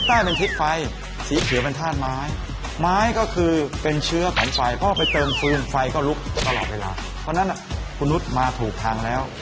ใต้เป็นทิศไฟสีเขียวเป็นธาตุไม้ไม้ก็คือเป็นเชื้อของไฟเพราะไปเติมฟืนไฟก็ลุกตลอดเวลาเพราะฉะนั้นคุณนุษย์มาถูกทางแล้ว